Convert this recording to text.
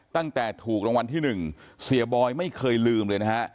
ตั้งแต่ถูกรางวัลที่๑เสียบอยไม่เคยลืมเลยนะฮะ